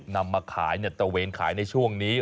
นำมาขายตะเวนขายในช่วงนี้